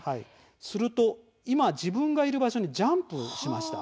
すると自分が今いる場所にジャンプしました。